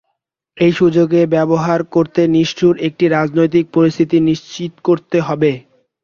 সেই সুযোগকে ব্যবহার করতে সুষ্ঠু একটি রাজনৈতিক পরিস্থিতি নিশ্চিত করতে হবে।